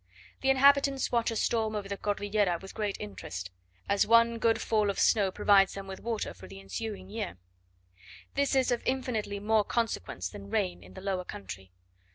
The inhabitants watch a storm over the Cordillera with great interest; as one good fall of snow provides them with water for the ensuing year. This is of infinitely more consequence than rain in the lower country.